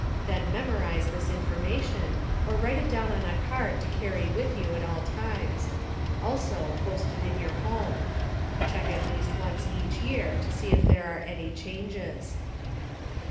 Then memorize this information, or write it down on a card to carry with you at all times. Also, post it in your home. Check at least once each year to see if there are any changes.